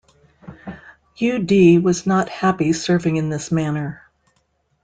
Yu Di was not happy serving in this manner.